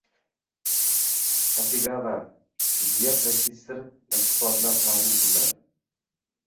Xasegava, deya professor iltifot-la ta`zim qildi